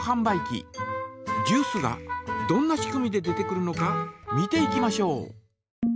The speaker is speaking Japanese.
ジュースがどんな仕組みで出てくるのか見ていきましょう。